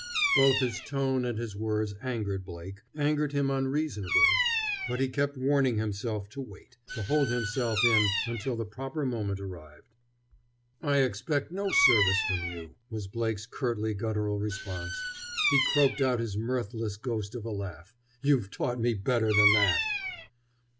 Both his tone and his words angered Blake, angered him unreasonably. But he kept warning himself to wait, to hold himself in until the proper moment arrived. "I expect no service from you," was Blake's curtly guttural response. He croaked out his mirthless ghost of a laugh. "You've taught me better than that!"